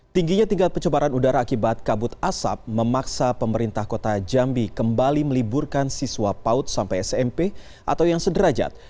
tingginya tingkat pencemaran udara akibat kabut asap memaksa pemerintah kota jambi kembali meliburkan siswa paut sampai smp atau yang sederajat